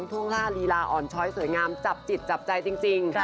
ทุ่งล่าลีลาอ่อนช้อยสวยงามจับจิตจับใจจริง